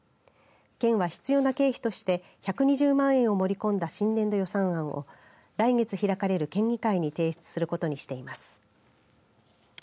県は必要な経費として１２０万円を盛り込んだ新年度予算案を来月開かれる県議会に提出することにしています。